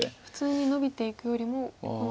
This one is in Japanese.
普通にノビていくよりも。